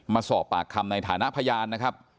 มาสอบปากคำในฐานะพยานนะครับ